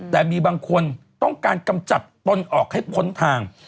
แต่มีบางคนต้องการกำจัดตนออกให้พ้นทาง